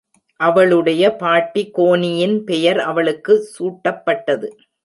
அவளுடைய பாட்டி கோனியின் பெயர் அவளுக்கு சூட்டப்பட்டது.